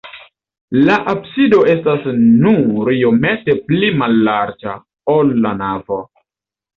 La absido estas nur iomete pli mallarĝa, ol la navo.